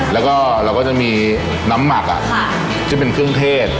แล้วก็เราก็จะมีน้ำหมักที่เป็นเครื่องเทศ